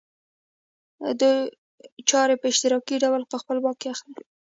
دوی چارې په اشتراکي ډول په خپل واک کې اخلي